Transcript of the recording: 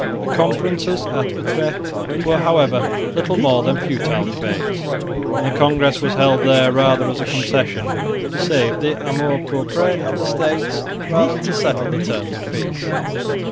The conferences at Utrecht were, however, little more than futile debates; and the congress was held there rather as a concession to save the amour propre of the States than to settle the terms of peace.